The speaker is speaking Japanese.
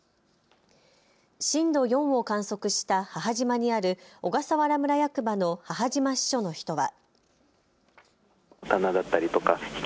震度４を観測した母島にある小笠原村役場の母島支所の人は。